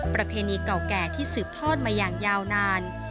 ประเพณีเก่าแก่ที่สืบทอดมาอย่างยาวนาน